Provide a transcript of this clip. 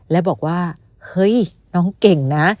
แล้วบอกว่าเฮ้ยน้องเก่งนะ